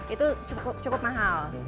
itu cukup mahal